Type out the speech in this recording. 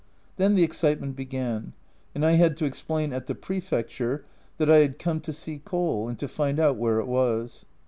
Then the excitement began and I had to explain at the Prefecture that I had come to see coal, and to find out where it was.